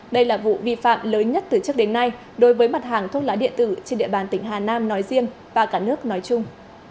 đây là vụ vi phạm lớn nhất từ trước đến nay đối với mặt hàng thuốc lá điện tử trên địa bàn tỉnh hà nam nói riêng và cả nước nói chung